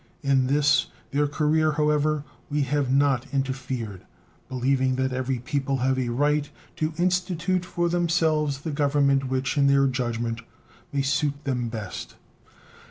In this, their career, however, we have not interfered, believing that every people have a right to institute for themselves the government which, in their judgment, may suit them best.